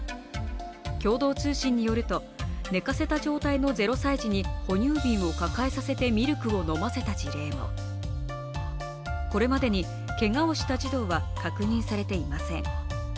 共同通信によると、寝かせた状態の０歳児に哺乳瓶を抱えさせてミルクを飲ませた事例もこれまでに、けがをした児童は確認されていません。